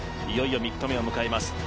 いよいよ３日目を迎えます。